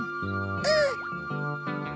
うん。